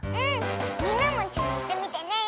みんなもいっしょにいってみてね！